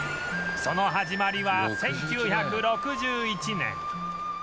その始まりは１９６１年